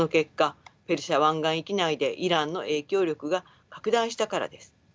ペルシャ湾岸域内でイランの影響力が拡大したからです。